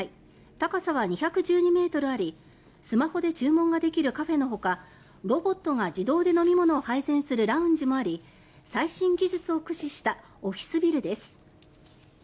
高さは２１２ｍありスマホで注文ができるカフェのほかロボットが自動で飲み物を配膳するラウンジもあり最新技術を駆使したオフィスビルです。